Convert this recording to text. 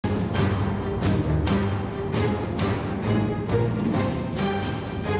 สุดท้ายเป็นรสสูงตะวัน